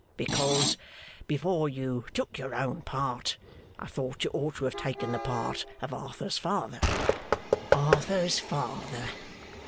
Because, before you took your own part, I thought you ought to have taken the part of Arthur's father. Arthur's father!